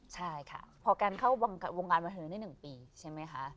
ใช่ค่ะพอกันเข้าวงการบันเทิงได้๑ปีใช่ไหมคะ